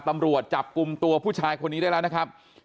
ตำรวจจับกลุ่มตัวผู้ชายคนนี้ได้แล้วนะครับ